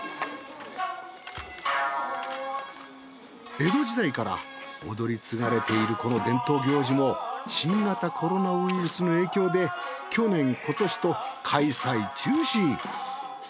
江戸時代から踊り継がれているこの伝統行事も新型コロナウイルスの影響で去年今年と開催中止。